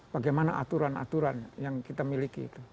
bagaimana aturan aturan yang kita miliki